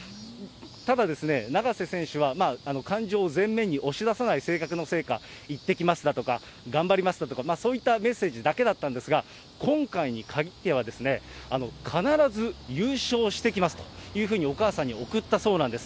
ただ、永瀬選手は感情を前面に押し出さない性格のせいか、いってきますだとか、頑張りますだとか、そういったメッセージだけだったんですが、今回に限っては、必ず優勝してきます！というふうにお母さんに送ったそうなんです。